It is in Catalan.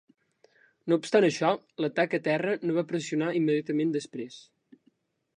No obstant això, l'atac a terra no va pressionar immediatament després.